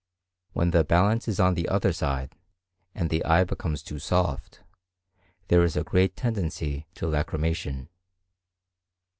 When the balance is on the other side, and the eye becomes too soft, there is a greater tendency to lacrymation.